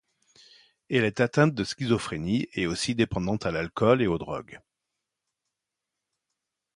Elle est atteinte de Schizophrénie et aussi dépendante à l'alcool et aux drogues.